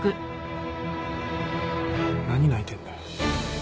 何泣いてんだよ